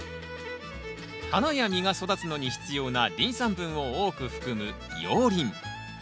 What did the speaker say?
花や実が育つのに必要なリン酸分を多く含む熔リン。